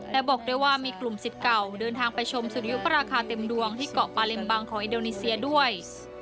และบอกด้วยว่ามีกลุ่มสิทธิ์เก่าเดินทางไปชมสุริยุปราคาเต็มดวงที่เกาะปาเลมบังของอินโดนีเซียด้วย